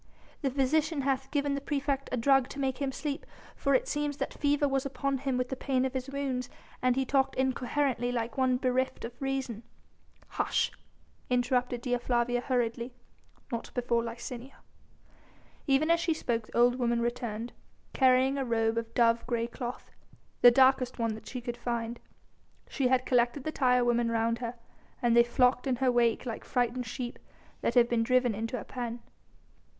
"The physician hath given the praefect a drug to make him sleep, for it seems that fever was upon him with the pain of his wounds and he talked incoherently like one bereft of reason." "Hush!..." interrupted Dea Flavia hurriedly, "not before Licinia." Even as she spoke the old woman returned, carrying a robe of dove grey cloth, the darkest one that she could find. She had collected the tire women round her, and they flocked in her wake like frightened sheep that have been driven into a pen.